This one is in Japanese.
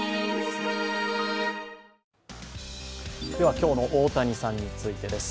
今日の大谷さんについてです。